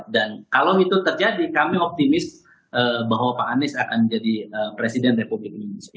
dan kalau itu terjadi kami optimis bahwa pak anies akan menjadi presiden republik indonesia